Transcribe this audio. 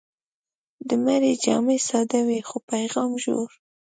د مړي جامې ساده وي، خو پیغام ژور.